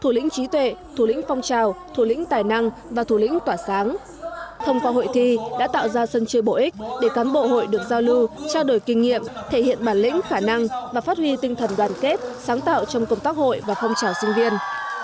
thủ lĩnh trí tuệ thủ lĩnh phong trào thủ lĩnh tài năng và thủ lĩnh tỏa sáng thông qua hội thi đã tạo ra sân chơi bổ ích để cán bộ hội được giao lưu trao đổi kinh nghiệm thể hiện bản lĩnh khả năng và phát huy tinh thần đoàn kết sáng tạo trong công tác hội và phong trào sinh viên